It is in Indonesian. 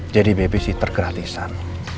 jadi babysitter gratisan